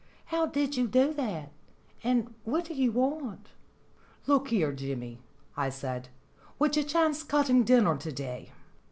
How did you do that? And what do you want?" "Look here, Jimmy," I said, "would you chance cutting dinner to day